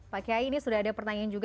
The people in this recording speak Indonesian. pak kiai ini sudah ada pertanyaan juga